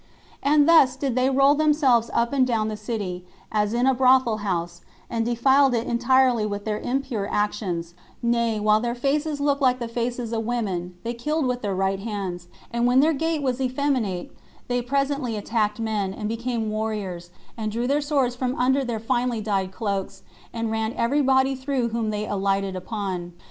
And thus did they roll themselves up and down the city, as in a brothel house, and defiled it entirely with their impure actions; nay, while their faces looked like the faces of women, they killed with their right hands; and when their gait was effeminate, they presently attacked men, and became warriors, and drew their swords from under their finely dyed cloaks, and ran every body through whom they alighted upon.